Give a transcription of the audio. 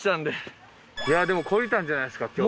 でも懲りたんじゃないですか？